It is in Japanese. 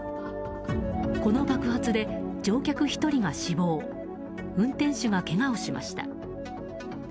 この爆発で乗客１人が死亡運転手がけがをしました。